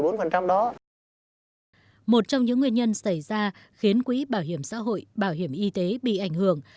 một trong những nguyên nhân xảy ra khiến quỹ bảo hiểm xã hội bảo hiểm y tế bị ảnh hưởng